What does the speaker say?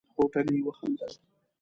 هوټلي وخندل.